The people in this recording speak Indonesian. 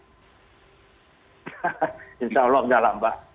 insya allah enggak lah mbak